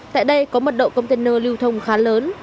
tại đây có mật độ container lưu thông khá lớn